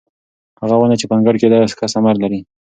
هغه ونه چې په انګړ کې ده ښه ثمر لري.